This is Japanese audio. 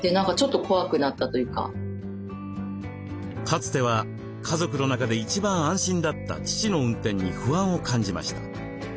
かつては家族の中で一番安心だった父の運転に不安を感じました。